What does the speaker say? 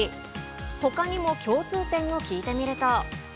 ほかにも共通点を聞いてみると。